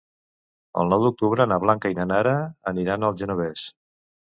El nou d'octubre na Blanca i na Nara aniran al Genovés.